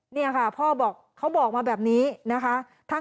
นี่ค่ะพ่อบอกเขาบอกมาแบบนี้นะคะ